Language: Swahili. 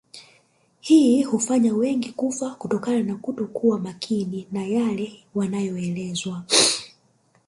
Hii hufanya wengi kufa kutokana na kuto kuwa makini na yale yanayoelezwa